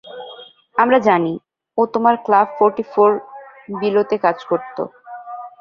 আমরা জানি, ও তোমার ক্লাব ফোর্টি ফোর বিলোতে কাজ করত।